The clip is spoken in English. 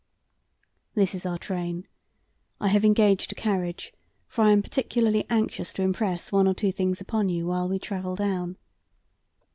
"This is our train. I have engaged a carriage, for I am particularly anxious to impress one or two things upon you while we travel down."